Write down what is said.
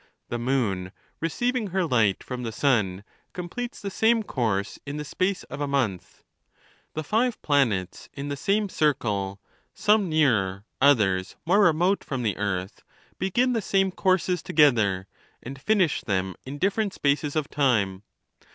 The moon, receiving her light from the sun, completes the same course in the space of a month.'' The five planets in the same circle, some nearer, others more remote from the earth, begin the same courses together, and finish them in different spaces of time.